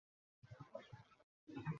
তাহলে হবে তো?